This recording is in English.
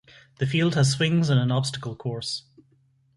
The field has swings and an obstacle course.